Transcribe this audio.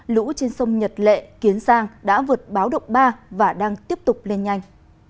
lũ trên sông nhật lệ kiến sang đã vượt báo độc ba và đang tiếp tục lên nhanh